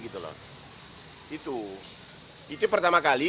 itu pertama kali